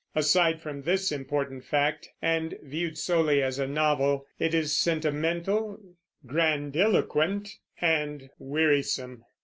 Aside from this important fact, and viewed solely as a novel, it is sentimental, grandiloquent, and wearisome.